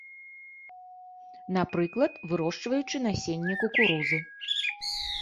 Напрыклад, вырошчваючы насенне кукурузы.